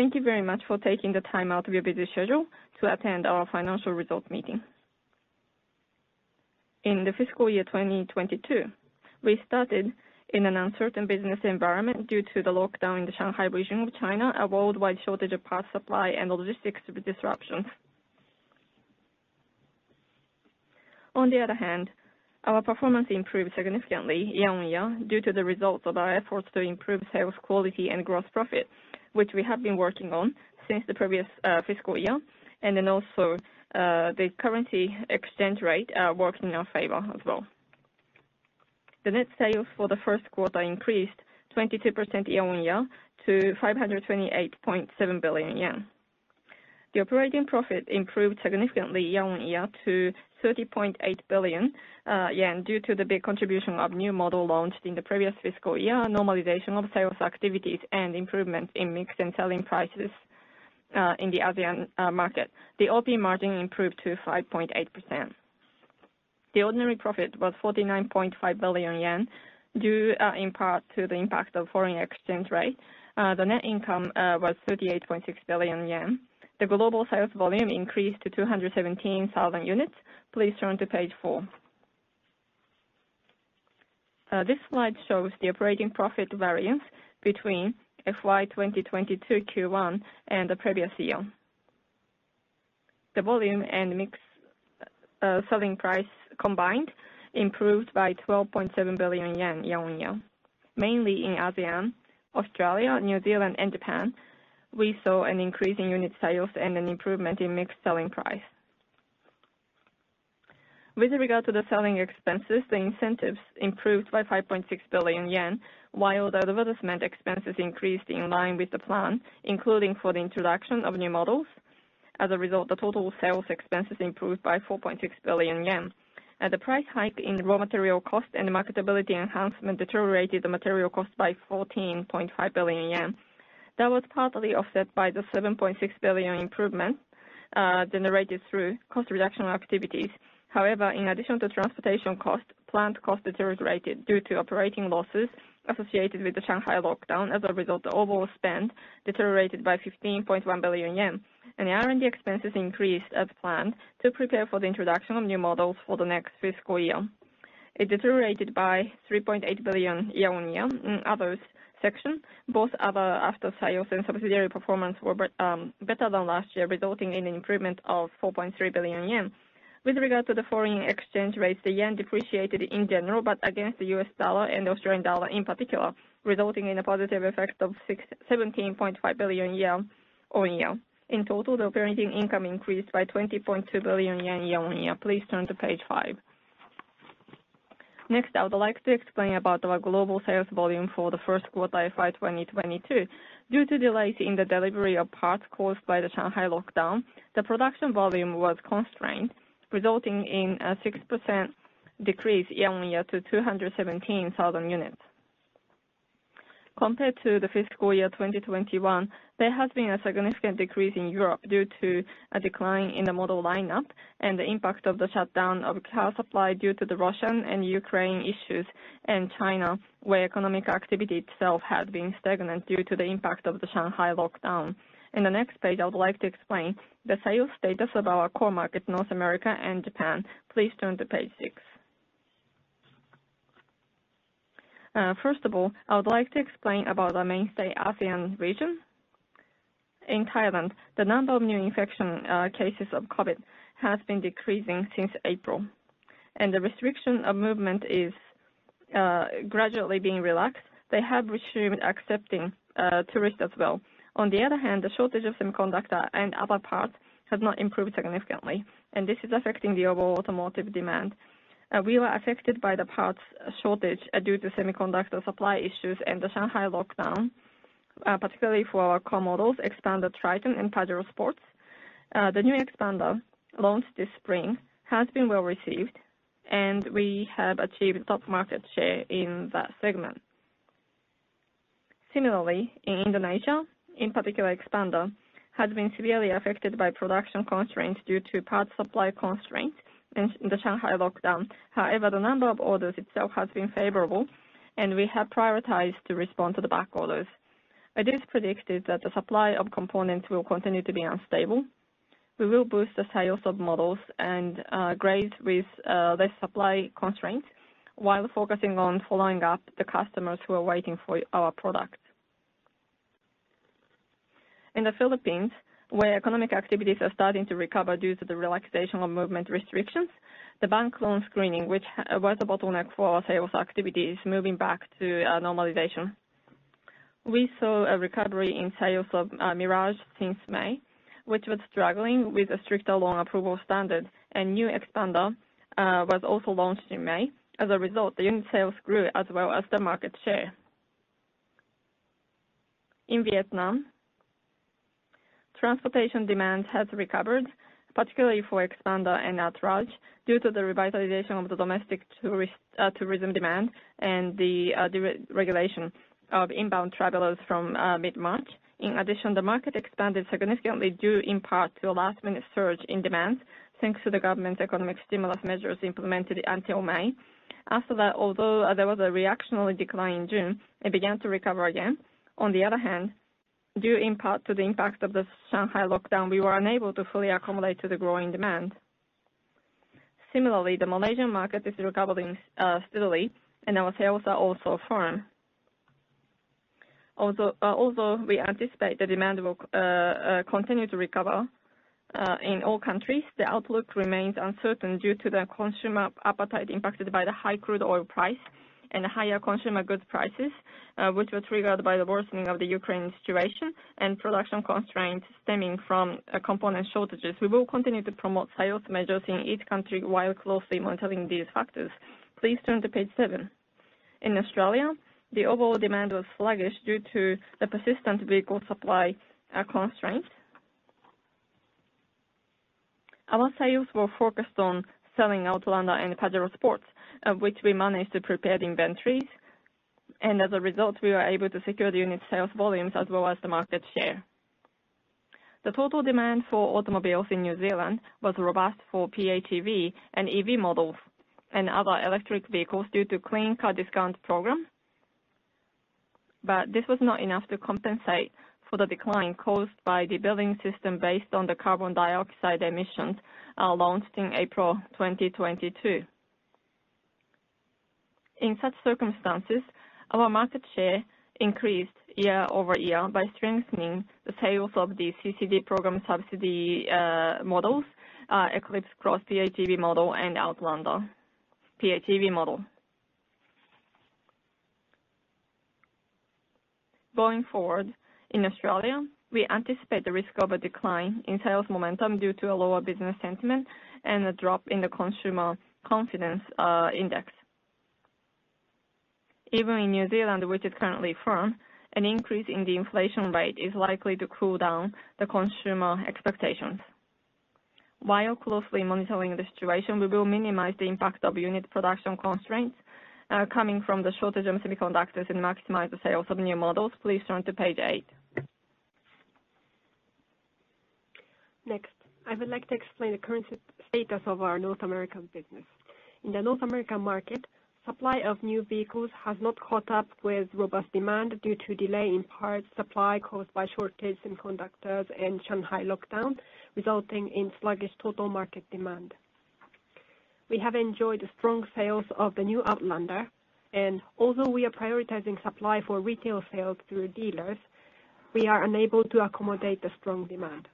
Thank you very much for taking the time out of your busy schedule to attend our Financial Results Meeting. In the fiscal year 2022, we started in an uncertain business environment due to the lockdown in the Shanghai region of China, a worldwide shortage of power supply, and logistics disruptions. On the other hand, our performance improved significantly year-over-year due to the results of our efforts to improve sales quality and gross profit, which we have been working on since the previous fiscal year, and then also the currency exchange rate worked in our favor as well. The net sales for the Q1 increased 22% year-over-year to 528.7 billion yen. The operating profit improved significantly year-on-year to 30.8 billion yen due to the big contribution of new model launched in the previous fiscal year, normalization of sales activities, and improvements in mix and selling prices in the ASEAN market. The OP margin improved to 5.8%. The ordinary profit was 49.5 billion yen due in part to the impact of foreign exchange rate. The net income was 38.6 billion yen. The global sales volume increased to 217,000 units. Please turn to page four. This slide shows the operating profit variance between FY 2022 Q1 and the previous year. The volume and mix selling price combined improved by 12.7 billion yen year-on-year. Mainly in ASEAN, Australia, New Zealand, and Japan, we saw an increase in unit sales and an improvement in mix selling price. With regard to the selling expenses, the incentives improved by 5.6 billion yen, while the advertisement expenses increased in line with the plan, including for the introduction of new models. As a result, the total sales expenses improved by 4.6 billion yen. The price hike in raw material cost and marketability enhancement deteriorated the material cost by 14.5 billion yen. That was partly offset by the 7.6 billion improvement generated through cost reduction activities. However, in addition to transportation costs, plant costs deteriorated due to operating losses associated with the Shanghai lockdown. As a result, the overall spend deteriorated by 15.1 billion yen. The R&D expenses increased as planned to prepare for the introduction of new models for the next fiscal year. It deteriorated by 3.8 billion year-on-year. In other sections, both other after-sales and subsidiary performance were better than last year, resulting in an improvement of 4.3 billion yen. With regard to the foreign exchange rates, the yen depreciated in general, but against the U.S. dollar and Australian dollar in particular, resulting in a positive effect of 17.5 billion yen year-on-year. In total, the operating income increased by 20.2 billion yen year-on-year. Please turn to page five. Next, I would like to explain about our global sales volume for the Q1 FY 2022. Due to delays in the delivery of parts caused by the Shanghai lockdown, the production volume was constrained, resulting in a 6% decrease year-on-year to 217,000 units. Compared to the fiscal year 2021, there has been a significant decrease in Europe due to a decline in the model lineup and the impact of the shutdown of car supply due to the Russia and Ukraine issues and China, where economic activity itself had been stagnant due to the impact of the Shanghai lockdown. In the next page, I would like to explain the sales status of our core markets, North America and Japan. Please turn to page six. First of all, I would like to explain about our mainstay ASEAN region. In Thailand, the number of new infection cases of COVID has been decreasing since April, and the restriction of movement is gradually being relaxed. They have resumed accepting tourists as well. On the other hand, the shortage of semiconductors and other parts has not improved significantly, and this is affecting the overall automotive demand. We were affected by the parts shortage due to semiconductor supply issues and the Shanghai lockdown, particularly for our car models, Xpander, Triton, and Pajero Sport. The new Xpander launched this spring has been well received, and we have achieved top market share in that segment. Similarly, in Indonesia, in particular, Xpander has been severely affected by production constraints due to parts supply constraints and the Shanghai lockdown. However, the number of orders itself has been favorable, and we have prioritized to respond to the back orders. It is predicted that the supply of components will continue to be unstable. We will boost the sales of models and grades with less supply constraints while focusing on following up the customers who are waiting for our products. In the Philippines, where economic activities are starting to recover due to the relaxation of movement restrictions, the bank loan screening, which was a bottleneck for our sales activities, moving back to normalization. We saw a recovery in sales of Mirage since May, which was struggling with a stricter loan approval standard and new Xpander was also launched in May. As a result, the unit sales grew as well as the market share. In Vietnam, transportation demand has recovered, particularly for Xpander and Attrage, due to the revitalization of the domestic tourism demand and the deregulation. Of inbound travelers from mid-March. In addition, the market expanded significantly due in part to a last-minute surge in demand thanks to the government's economic stimulus measures implemented until May. After that, although there was a reactionary decline in June, it began to recover again. On the other hand, due in part to the impact of the Shanghai lockdown, we were unable to fully accommodate to the growing demand. Similarly, the Malaysian market is recovering steadily and our sales are also firm. Although we anticipate the demand will continue to recover in all countries, the outlook remains uncertain due to the consumer appetite impacted by the high crude oil price and higher consumer goods prices, which was triggered by the worsening of the Ukraine situation, and production constraints stemming from component shortages. We will continue to promote sales measures in each country while closely monitoring these factors. Please turn to page seven. In Australia, the overall demand was sluggish due to the persistent vehicle supply constraint. Our sales were focused on selling Outlander and Pajero Sport, of which we managed to prepare the inventories, and as a result, we were able to secure the unit sales volumes as well as the market share. The total demand for automobiles in New Zealand was robust for PHEV and EV models and other electric vehicles due to Clean Car Discount program. This was not enough to compensate for the decline caused by the billing system based on the carbon dioxide emissions launched in April 2022. In such circumstances, our market share increased year-over-year by strengthening the sales of the Clean Car Discount program subsidy models, Eclipse Cross PHEV model and Outlander PHEV model. Going forward, in Australia, we anticipate the risk of a decline in sales momentum due to a lower business sentiment and a drop in the consumer confidence index. Even in New Zealand, which is currently firm, an increase in the inflation rate is likely to cool down the consumer expectations. While closely monitoring the situation, we will minimize the impact of unit production constraints coming from the shortage of semiconductors and maximize the sales of new models. Please turn to page eight. Next, I would like to explain the current status of our North American business. In the North American market, supply of new vehicles has not caught up with robust demand due to delay in parts supply caused by shortages in semiconductors and Shanghai lockdown, resulting in sluggish total market demand. We have enjoyed strong sales of the new Outlander, and although we are prioritizing supply for retail sales through dealers, we are unable to accommodate the strong demand.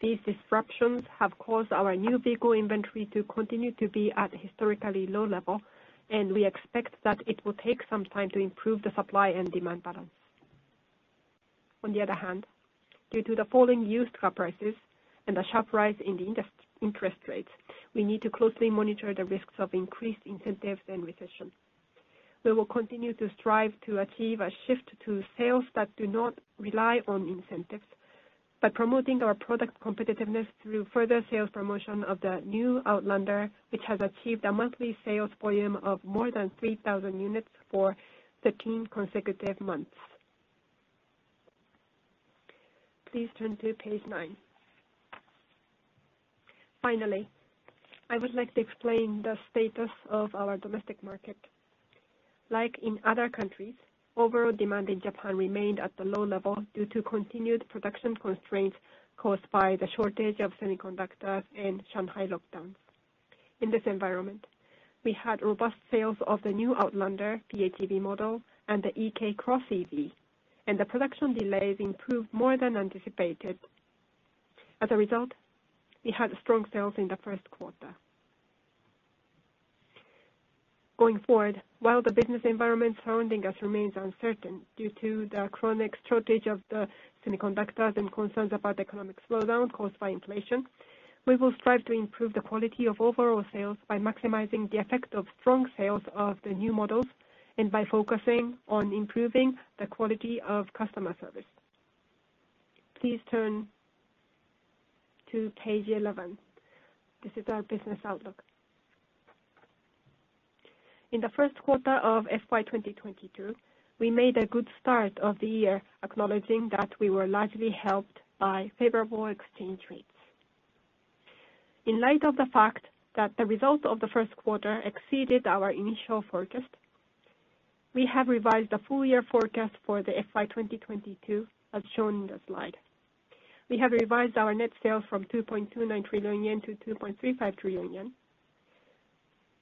These disruptions have caused our new vehicle inventory to continue to be at historically low level, and we expect that it will take some time to improve the supply and demand balance. On the other hand, due to the falling used car prices and a sharp rise in the interest rates, we need to closely monitor the risks of increased incentives and recession. We will continue to strive to achieve a shift to sales that do not rely on incentives by promoting our product competitiveness through further sales promotion of the new Outlander, which has achieved a monthly sales volume of more than 3,000 units for 13 consecutive months. Please turn to page nine. Finally, I would like to explain the status of our domestic market. Like in other countries, overall demand in Japan remained at a low level due to continued production constraints caused by the shortage of semiconductors and Shanghai lockdowns. In this environment, we had robust sales of the new Outlander PHEV model and the eK X EV, and the production delays improved more than anticipated. As a result, we had strong sales in the Q1. Going forward, while the business environment surrounding us remains uncertain due to the chronic shortage of the semiconductors and concerns about economic slowdown caused by inflation, we will strive to improve the quality of overall sales by maximizing the effect of strong sales of the new models and by focusing on improving the quality of customer service. Please turn to page eleven. This is our business outlook. In the Q1 of FY2022, we made a good start of the year, acknowledging that we were largely helped by favorable exchange rates. In light of the fact that the results of the Q1 exceeded our initial forecast, we have revised the full year forecast for the FY2022 as shown in the slide. We have revised our net sales from 2.29 trillion yen to 2.35 trillion yen,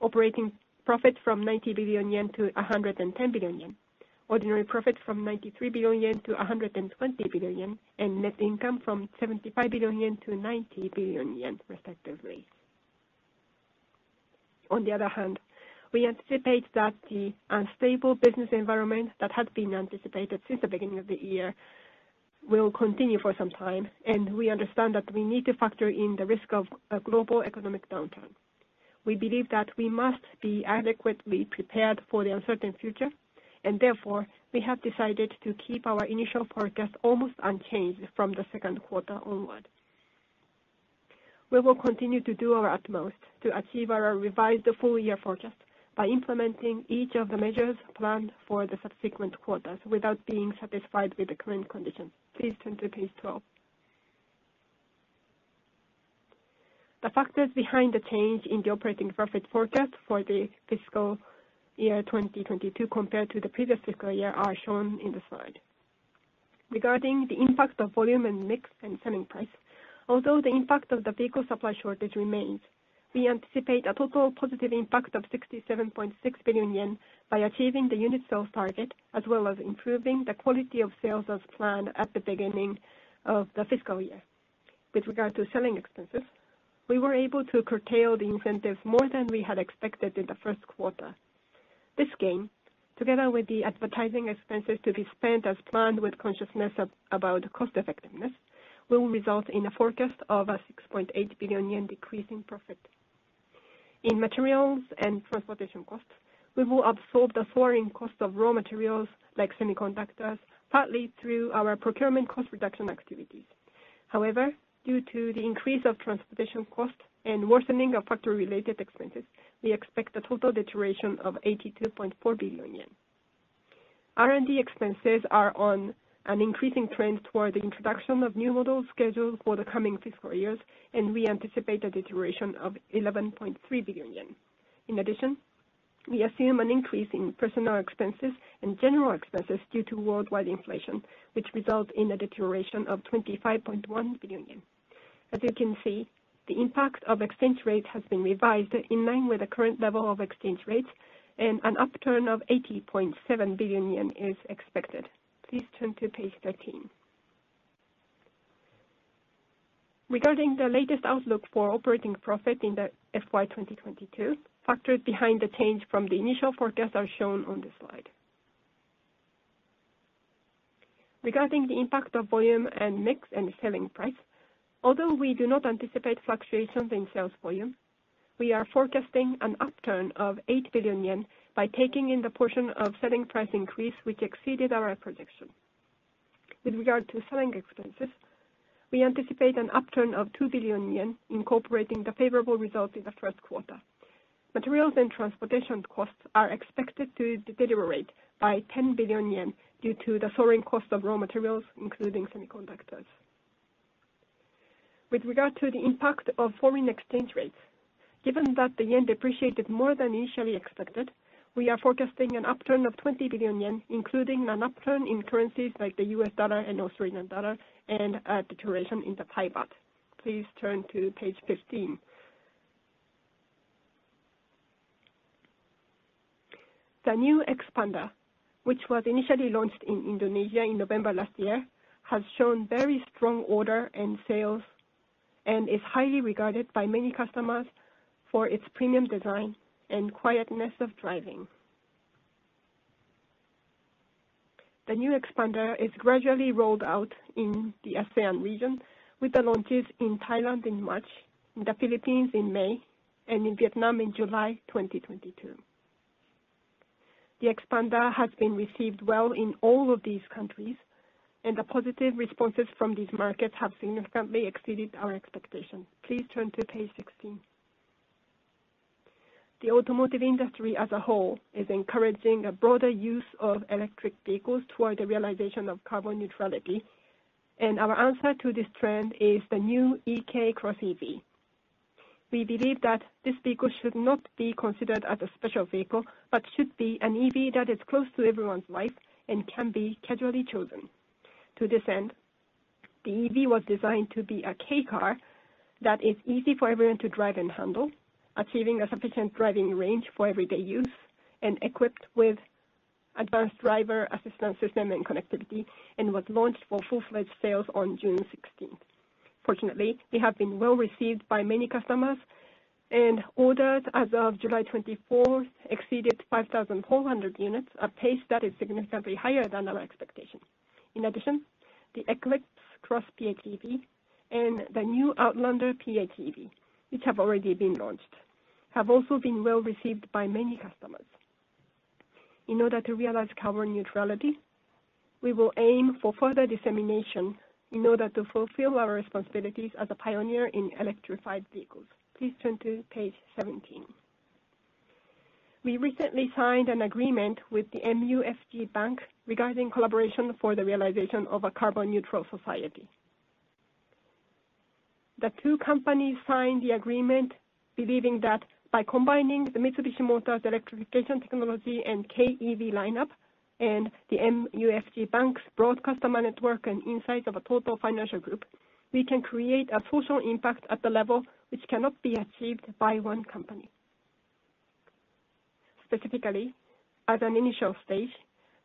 operating profit from 90 billion-110 billion yen, ordinary profit from 93 billion-120 billion yen, and net income from 75 billion-90 billion yen, respectively. On the other hand, we anticipate that the unstable business environment that had been anticipated since the beginning of the year will continue for some time, and we understand that we need to factor in the risk of a global economic downturn. We believe that we must be adequately prepared for the uncertain future and therefore, we have decided to keep our initial forecast almost unchanged from the Q2 onward. We will continue to do our utmost to achieve our revised full year forecast by implementing each of the measures planned for the subsequent quarters without being satisfied with the current conditions. Please turn to page 12. The factors behind the change in the operating profit forecast for the fiscal year 2022 compared to the previous fiscal year are shown in the slide. Regarding the impact of volume and mix and selling price, although the impact of the vehicle supply shortage remains, we anticipate a total positive impact of 67.6 billion yen by achieving the unit sales target, as well as improving the quality of sales as planned at the beginning of the fiscal year. With regard to selling expenses, we were able to curtail the incentive more than we had expected in the Q1. This gain, together with the advertising expenses to be spent as planned with consciousness about cost effectiveness, will result in a forecast of a 6.8 billion yen decrease in profit. In materials and transportation costs, we will absorb the foreign cost of raw materials like semiconductors, partly through our procurement cost reduction activities. However, due to the increase of transportation costs and worsening of factory related expenses, we expect a total deterioration of 82.4 billion yen. R&D expenses are on an increasing trend toward the introduction of new models scheduled for the coming fiscal years, and we anticipate a deterioration of 11.3 billion yen. In addition, we assume an increase in personnel expenses and general expenses due to worldwide inflation, which result in a deterioration of 25.1 billion yen. As you can see, the impact of exchange rate has been revised in line with the current level of exchange rates and an upturn of 80.7 billion yen is expected. Please turn to page 13. Regarding the latest outlook for operating profit in the FY 2022, factors behind the change from the initial forecast are shown on the slide. Regarding the impact of volume and mix and selling price, although we do not anticipate fluctuations in sales volume, we are forecasting an upturn of 8 billion yen by taking in the portion of selling price increase, which exceeded our projection. With regard to selling expenses, we anticipate an upturn of 2 billion yen, incorporating the favorable result in the Q1. Materials and transportation costs are expected to deteriorate by 10 billion yen due to the soaring cost of raw materials, including semiconductors. With regard to the impact of foreign exchange rates, given that the yen depreciated more than initially expected, we are forecasting an upturn of 20 billion yen, including an upturn in currencies like the U.S. dollar and Australian dollar and a deterioration in the Thai baht. Please turn to page 15. The new Xpander, which was initially launched in Indonesia in November last year, has shown very strong order and sales and is highly regarded by many customers for its premium design and quietness of driving. The new Xpander is gradually rolled out in the ASEAN region with the launches in Thailand in March, in the Philippines in May, and in Vietnam in July 2022. The Xpander has been received well in all of these countries, and the positive responses from these markets have significantly exceeded our expectations. Please turn to page 16. The automotive industry as a whole is encouraging a broader use of electric vehicles toward the realization of carbon neutrality. Our answer to this trend is the new eK X EV. We believe that this vehicle should not be considered as a special vehicle, but should be an EV that is close to everyone's life and can be casually chosen. To this end, the EV was designed to be a Kei car that is easy for everyone to drive and handle, achieving a sufficient driving range for everyday use and equipped with advanced driver assistance system and connectivity, and was launched for full-fledged sales on 16 June 2022. Fortunately, we have been well received by many customers and orders as of 24 July 2022 exceeded 5,400 units, a pace that is significantly higher than our expectations. In addition, the Eclipse Cross PHEV and the new Outlander PHEV, which have already been launched, have also been well received by many customers. In order to realize carbon neutrality, we will aim for further dissemination in order to fulfill our responsibilities as a pioneer in electrified vehicles. Please turn to page 17. We recently signed an agreement with the MUFG Bank regarding collaboration for the realization of a carbon neutral society. The two companies signed the agreement believing that by combining the Mitsubishi Motors electrification technology and Kei EV lineup and the MUFG Bank's broad customer network and insights of a total financial group, we can create a social impact at the level which cannot be achieved by one company. Specifically, as an initial stage,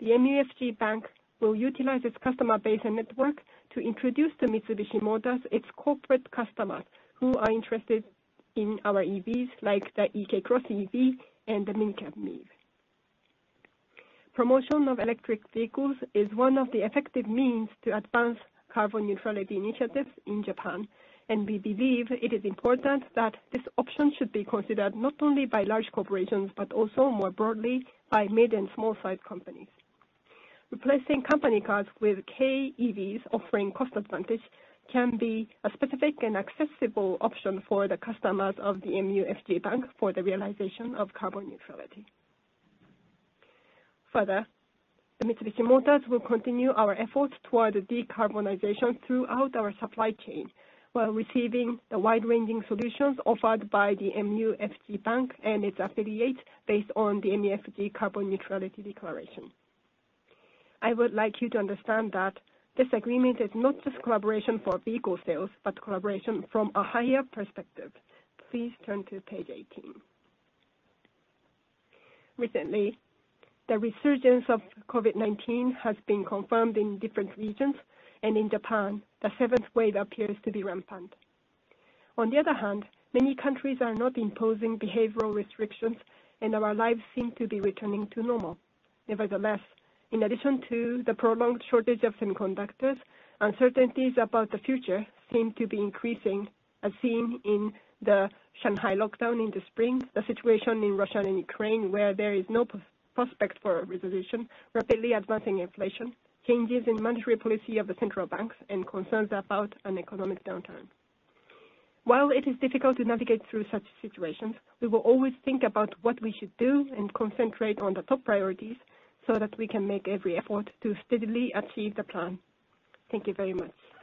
the MUFG Bank will utilize its customer base and network to introduce to Mitsubishi Motors its corporate customers who are interested in our EVs, like the eK X EV and the Minicab MiEV. Promotion of electric vehicles is one of the effective means to advance carbon neutrality initiatives in Japan, and we believe it is important that this option should be considered not only by large corporations, but also more broadly by mid and small size companies. Replacing company cars with Kei EVs offering cost advantage can be a specific and accessible option for the customers of the MUFG Bank for the realization of carbon neutrality. Further, the Mitsubishi Motors will continue our efforts toward decarbonization throughout our supply chain, while receiving the wide-ranging solutions offered by the MUFG Bank and its affiliates based on the MUFG Carbon Neutrality Declaration. I would like you to understand that this agreement is not just collaboration for vehicle sales, but collaboration from a higher perspective. Please turn to page 18. Recently, the resurgence of COVID-19 has been confirmed in different regions, and in Japan, the seventh wave appears to be rampant. On the other hand, many countries are not imposing behavioral restrictions and our lives seem to be returning to normal. Nevertheless, in addition to the prolonged shortage of semiconductors, uncertainties about the future seem to be increasing as seen in the Shanghai lockdown in the spring, the situation in Russia and Ukraine, where there is no prospect for a resolution, rapidly advancing inflation, changes in monetary policy of the central banks, and concerns about an economic downturn. While it is difficult to navigate through such situations, we will always think about what we should do and concentrate on the top priorities so that we can make every effort to steadily achieve the plan. Thank you very much.